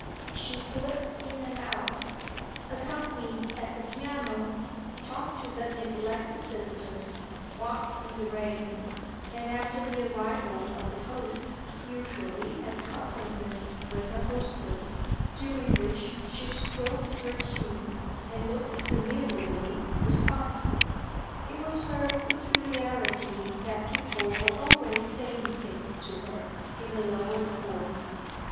She slipped in and out, accompanied at the piano, talked to the neglected visitors, walked in the rain, and after the arrival of the post usually had conferences with her hostess, during which she stroked her chin and looked familiarly responsible. It was her peculiarity that people were always saying things to her in a lowered voice.